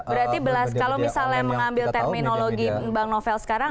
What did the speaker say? berarti belas kalau misalnya mengambil terminologi bang novel sekarang